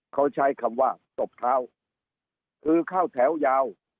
เขาใช้คำว่าตบเท้าคือเข้าแถวยาว